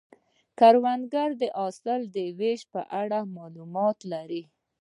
کروندګر د حاصل د ویش په اړه معلومات لري